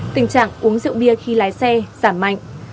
tình trạng uống rượu bia khi lái xe giảm mạnh